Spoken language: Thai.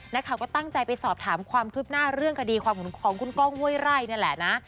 นักข่าวก็ตั้งใจไปสอบถามความคืบหน้าเรื่องคดีความของคุณก้องห้วยไร่นี่แหละนะ